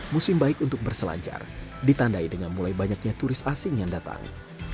musim baik untuk berselancar ditandai dengan mulai banyaknya turis asing yang datang